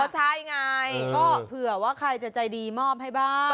ใช่ไงเผื่อใครจะใจดีมามอบให้บ้าง